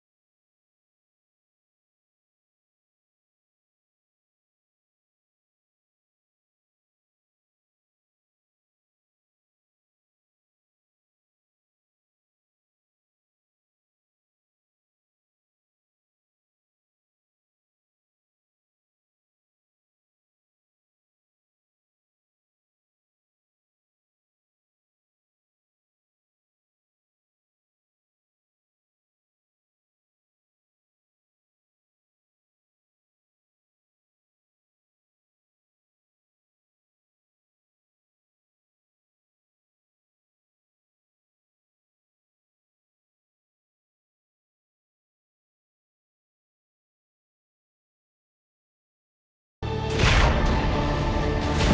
dan apa sebagai hal terakhir